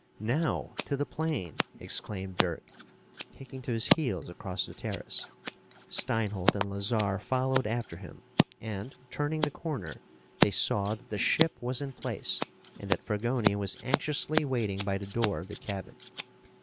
"Now! To the plane!" exclaimed Dirk, taking to his heels across the terrace. Steinholt and Lazarre followed after him and, turning the corner, they saw that the ship was in place and that Fragoni was anxiously waiting by the door of the cabin.